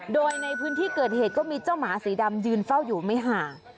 โดยในพื้นที่เกิดเหตุก็มีเจ้าหมาสีดำยืนเฝ้าอยู่ไม่ห่าง